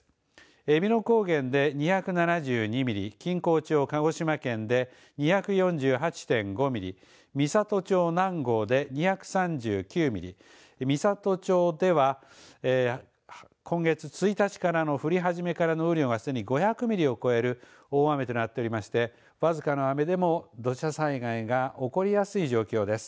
えびの高原で２７２ミリ、錦江町、鹿児島県で２４８．５ミリ、美郷町南郷で２３９ミリ、美郷町では今月１日からの、降り始めからの雨量がすでに５００ミリを超える大雨となっておりまして僅かの雨でも土砂災害が起こりやすい状況です。